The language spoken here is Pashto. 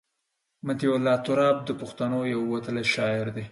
مطیع الله تراب د پښتنو یو وتلی شاعر دی.